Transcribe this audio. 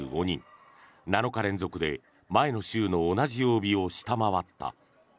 ７日連続で前の週の同じ曜日を下回った。